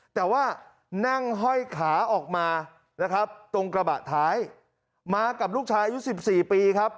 แต่ว่านั่งห้อยขาออกมานะครับตรงกระบะท้ายมากับลูกชายอายุ๑๔ปีครับ